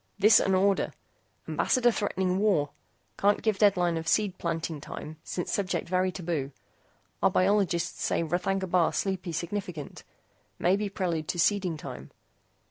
THIS AN ORDER. AMBASSADOR THREATENING WAR. CAN'T GIVE DEADLINE OF SEED PLANTING TIME SINCE SUBJECT VERY TABOO. OUR BIOLOGISTS SAY R'THAGNA BAR SLEEPY SIGNIFICANT. MAY BE PRELUDE TO SEEDING TIME.